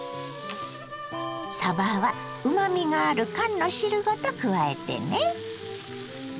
さばはうまみがある缶の汁ごと加えてね。